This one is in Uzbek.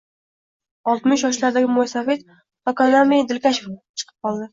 Oltmish yoshlardagi mo`ysafid Tokonami dilkash chiqib qoldi